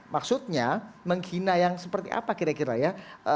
maksudnya menghina yang seperti apa kira kira ya